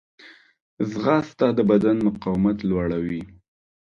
ځغاسته د بدن مقاومت لوړوي